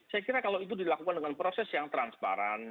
saya kira kalau itu dilakukan dengan proses yang transparan